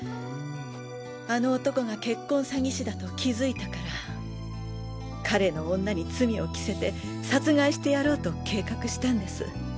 あの男が結婚詐欺師だと気づいたから彼の女に罪を着せて殺害してやろうと計画したんです。